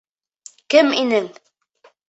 Кем инең?